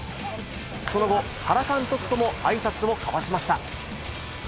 その後、原監督ともあいさつを交わしました。